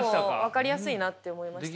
分かりやすいなって思いました。